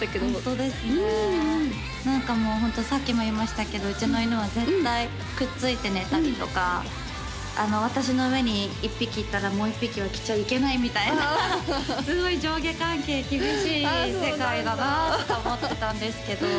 うんうん何かもうホントさっきも言いましたけどうちの犬は絶対くっついて寝たりとか私の上に１匹いたらもう一匹は来ちゃいけないみたいなすごい上下関係厳しい世界だなと思ってたんですけど